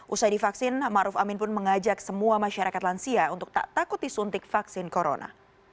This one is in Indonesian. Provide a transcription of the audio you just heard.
usai divaksin maruf amin pun mengajak semua masyarakat lansia untuk tak takut disuntik vaksin corona